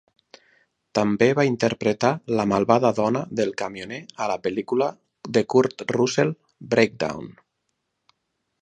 També va interpretar la malvada dona del camioner a la pel·lícula de Kurt Russell "Breakdown".